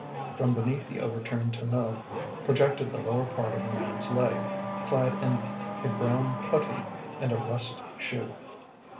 From beneath the overturned tonneau projected the lower part of a man's leg, clad in a brown puttee and a russet shoe.